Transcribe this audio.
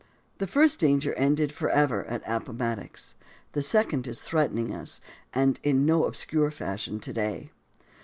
The first danger ended forever at Ap pomattox. The second is threatening us, and in no obscure fashion, to day.